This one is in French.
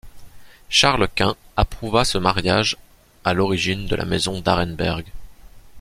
Charles Quint approuva ce mariage à l’origine de la Maison d'Arenberg.